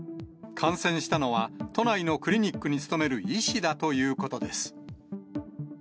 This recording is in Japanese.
感染したのは、都内のクリニックに勤める医師だということです。